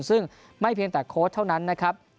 ซึ่งไม่เพียงแต่โค้ชเท่านั้นนะครับ